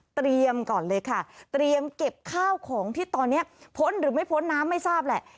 ก่อนเลยค่ะเตรียมเก็บข้าวของที่ตอนนี้พ้นหรือไม่พ้นน้ำไม่ทราบแหละ